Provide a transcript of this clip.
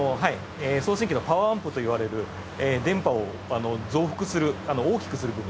送信機のパワーアンプといわれる電波を増幅する大きくする部分ですね。